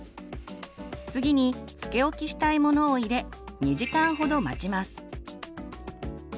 次につけおきしたいものを入れ２時間ほど待ちます。